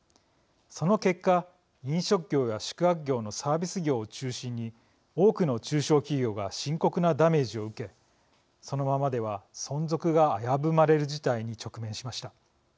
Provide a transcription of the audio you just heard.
その結果飲食業や宿泊業のサービス業を中心に多くの中小企業が深刻なダメージを受けそのままでは存続が危ぶまれる事態に直面しました。